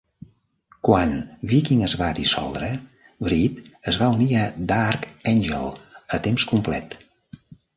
Quan Viking es va dissoldre, Breet es va unir a Dark Angel a temps complet.